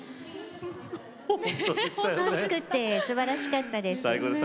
楽しくてすばらしかったです。